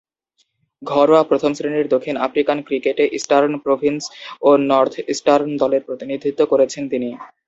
ঘরোয়া প্রথম-শ্রেণীর দক্ষিণ আফ্রিকান ক্রিকেটে ইস্টার্ন প্রভিন্স ও নর্থ ইস্টার্ন দলের প্রতিনিধিত্ব করেছেন তিনি।